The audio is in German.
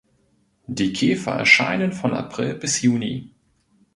Die Käfer erscheinen von April bis Juni.